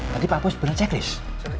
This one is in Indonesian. tadi pak bos belok cek list